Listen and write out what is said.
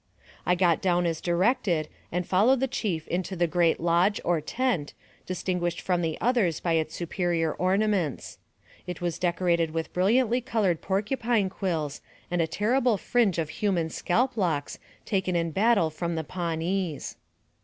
I got down as directed, and followed the chief into the great lodge or tent, distinguished from the others by its superior ornaments. It was decorated with brilliantly colored porcupine quills and a terrible fringe of human scalp locks, taken in battle from the Pawnees.